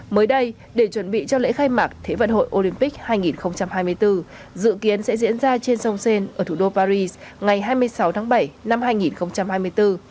mới đây để chuẩn bị cho lễ khai mạc thế vận hội olympic hai nghìn hai mươi bốn dự kiến sẽ diễn ra trên sông sen ở thủ đô paris ngày hai mươi sáu tháng bảy năm hai nghìn hai mươi bốn